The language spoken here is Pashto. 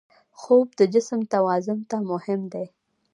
خوب د جسم توازن ته مهم دی